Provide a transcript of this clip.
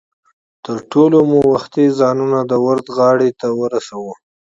تر ټولو مو وختي ځانونه د ورد غاړې ته ورسو.